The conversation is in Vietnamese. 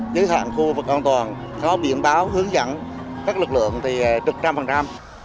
giới thoạn khu vực an toàn có biển báo hướng dẫn các lực lượng thì trực trăm phần trăm